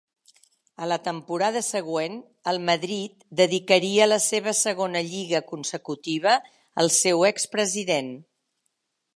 A la temporada següent el Madrid dedicaria la seva segona lliga consecutiva al seu expresident.